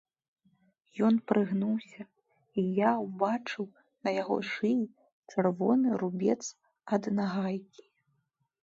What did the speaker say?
Ён прыгнуўся, і я ўбачыў на яго шыі чырвоны рубец ад нагайкі.